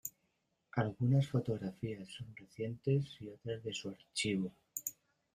Algunas fotografías son recientes y otras de su archivo.